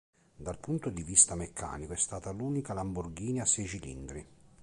Dal punto di vista meccanico, è stata l’unica Lamborghini a sei cilindri.